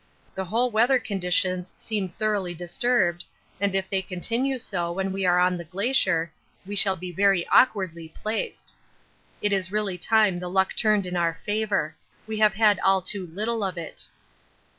The whole weather conditions seem thoroughly disturbed, and if they continue so when we are on the Glacier, we shall be very awkwardly placed. It is really time the luck turned in our favour we have had all too little of it.